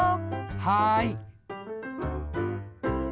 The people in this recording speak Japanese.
はい！